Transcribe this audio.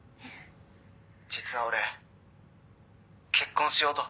「実は俺結婚しようと」